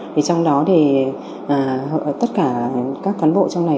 thì trong đó thì tất cả các cán bộ trong này